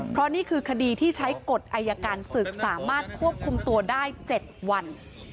เพราะนี่คือคดีที่ใช้กฎอายการศึกสามารถควบคุมตัวได้๗วัน